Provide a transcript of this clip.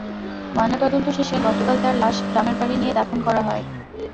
ময়নাতদন্ত শেষে গতকাল তাঁর লাশ গ্রামের বাড়ি নিয়ে দাফন করা হয়।